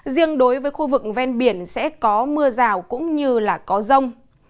riêng đối với khu vực ven biển sẽ có mưa rào cũng như có rông